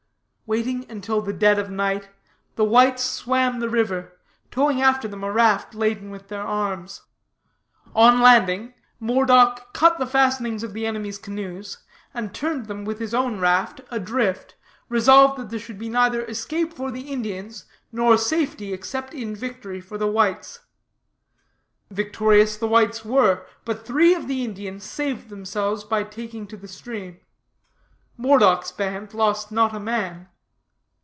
Waiting until dead of night, the whites swam the river, towing after them a raft laden with their arms. On landing, Moredock cut the fastenings of the enemy's canoes, and turned them, with his own raft, adrift; resolved that there should be neither escape for the Indians, nor safety, except in victory, for the whites. Victorious the whites were; but three of the Indians saved themselves by taking to the stream. Moredock's band lost not a man.